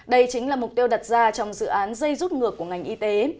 đây chính là mục tiêu đặt ra trong dự án dây rút ngược của ngành y tế